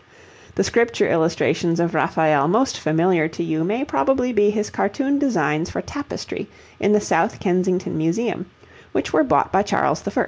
The Scripture illustrations of Raphael most familiar to you may probably be his cartoon designs for tapestry in the South Kensington Museum, which were bought by Charles I.